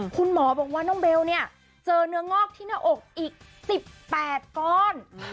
คุณหมอบอกว่าน้องเบลเนี่ยเจอเนื้องอกที่หน้าอกอีก๑๘ก้อน